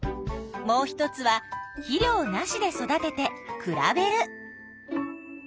もう一つは「肥料なし」で育てて比べる。